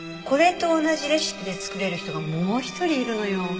これと同じレシピで作れる人がもう一人いるのよ。